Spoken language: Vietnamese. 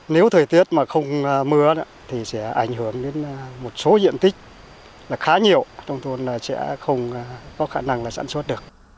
nếu thời tiết mà không mưa thì sẽ ảnh hưởng đến một số diện tích là khá nhiều trong thôn sẽ không có khả năng là sản xuất được